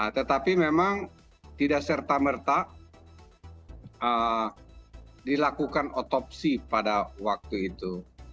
tetapi memang tidak serta merta dilakukan otopsi pada waktu itu